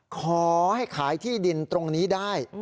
ขอให้ขายที่ดินตรงนี้ได้